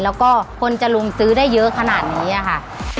แล้วก็คนจะลงซื้อได้เยอะขนาดนี้ค่ะ